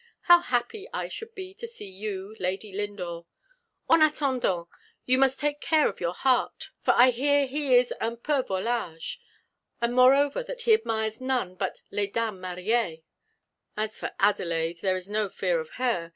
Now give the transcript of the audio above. How happy I should be to see you Lady Lindore! En attendant you must take care of your heart; for I hear he is un peu volage and, moreover, that he admires none but les dames Mariées. As for Adelaide, there is no fear of her.